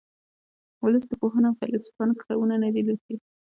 ولس د پوهانو او فیلسوفانو کتابونه نه دي لوستي